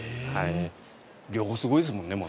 両方すごいですもんね。